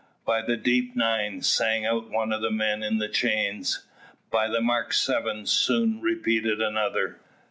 "By the deep nine," sang out one of the men in the chains. "By the mark seven," soon repeated another.